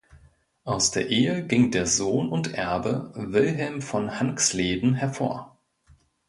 Aus der Ehe ging der Sohn und Erbe Wilhelm von Hanxleden hervor.